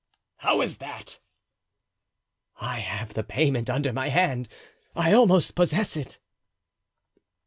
"How is that?" "I have the payment under my hand; I almost possess it."